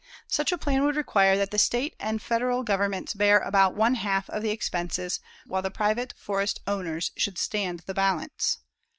Such a plan would require that the State and Federal governments bear about one half the expenses while the private forest owners should stand the balance.